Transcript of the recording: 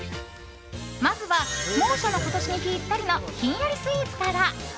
まずは猛暑の今年にぴったりのひんやりスイーツから。